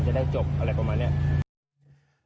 จะได้จบอะไรประมาณนี้